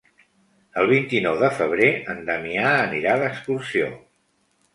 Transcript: El vint-i-nou de febrer en Damià anirà d'excursió.